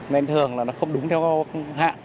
nên thường là nó không đúng theo hạn